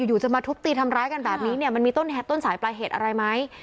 อยู่จะมาทุบตีทำร้ายกันแบบนี้เนี่ยมันมีต้นสายปลายเหตุอะไรไหม